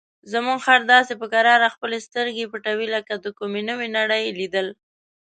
زموږ خر داسې په کراره خپلې سترګې پټوي لکه د کومې نوې نړۍ لیدل.